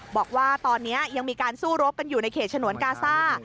บอกว่าตอนนี้ยังมีการสู้รบกันอยู่ในเขตฉนวนกาซ่า